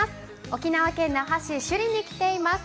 沖縄県那覇市首里に来ています。